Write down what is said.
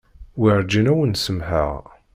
Werǧin ad wen-samḥeɣ.